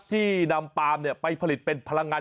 ที่นำปาล์มไปผลิตเป็นพลังงาน